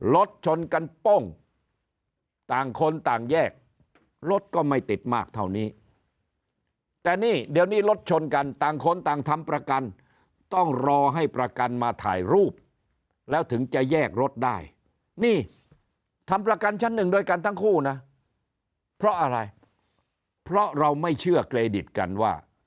รถชนกันโป้งต่างคนต่างแยกรถก็ไม่ติดมากเท่านี้แต่นี่เดี๋ยวนี้รถชนกันต่างคนต่างทำประกันต้องรอให้ประกันมาถ่ายรูปแล้วถึงจะแยกรถได้นี่ทำประกันชั้นหนึ่งด้วยกันทั้งคู่นะเพราะอะไรเพราะเราไม่เชื่อเครดิตกันว่า